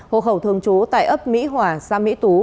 hồ khẩu thường trú tại ấp mỹ hòa xa mỹ tú